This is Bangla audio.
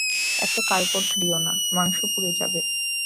এত কার্পট দিয়ো না, মাংস পুড়ে যাবে।